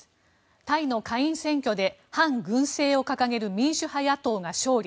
タイの下院選挙で反軍政を掲げる民主派野党が勝利。